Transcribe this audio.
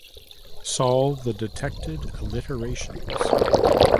Solve the detected alterations.